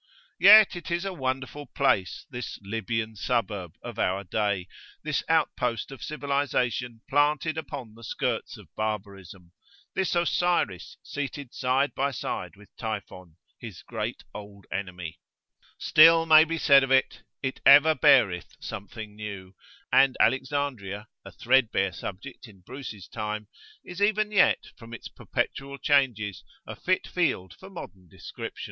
Yet it is a wonderful place, this "Libyan suburb" of our day, this outpost of civilisation planted upon the skirts of barbarism, this Osiris seated side by side with Typhon, his great old enemy. Still may be said of it, "it ever beareth something new[FN#14];" and Alexandria, a threadbare subject in Bruce's time, is even yet, from its perpetual changes, a fit field for modern description.